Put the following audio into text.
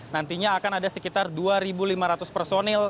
nantinya akan ada sekitar dua lima ratus personil